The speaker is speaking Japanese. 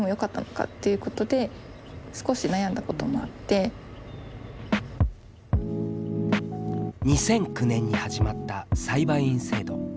最初の通知が２００９年に始まった裁判員制度。